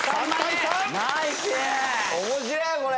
面白えこれ。